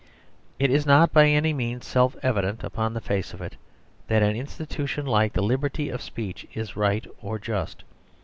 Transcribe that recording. It is not by any means self evident upon the face of it that an institution like the liberty of speech is right or just.